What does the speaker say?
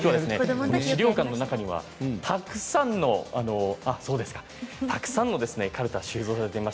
資料館の中にはたくさんのカルタが収蔵されています。